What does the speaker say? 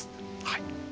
はい。